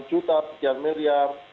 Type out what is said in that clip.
juta sekian miliar